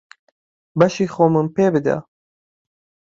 بەشی خۆمم پێ بدە.